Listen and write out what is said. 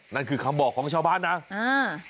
นั่นคือคำบอกของชาวบ้านนะอ่า